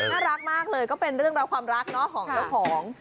น่ารักมากเลยก็เป็นเรื่องราวความรักเนาะของเจ้าของ